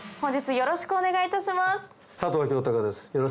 よろしくお願いします。